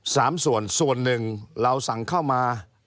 สามส่วนส่วนหนึ่งเราสั่งเข้ามา